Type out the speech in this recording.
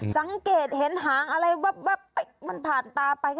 สังเกตเห็นหางอะไรวับมันผ่านตาไป